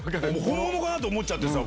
本物かと思っちゃってさ。